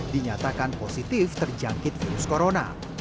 dinyatakan positif terjangkit virus corona